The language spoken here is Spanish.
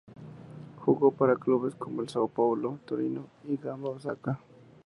Jugó para clubes como el São Paulo, Torino y Gamba Osaka.